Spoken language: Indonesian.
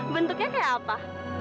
bentuknya kayak apa